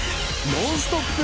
ノンストップ！